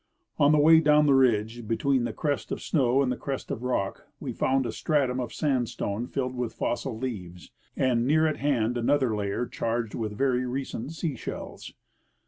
On the way down the ridge between the crest of snow and the crest of rock we found a stratum of sandstone filled with fossil leaves, and near at hand another layer charged with very recent sea shells.